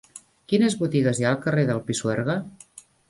Quines botigues hi ha al carrer del Pisuerga?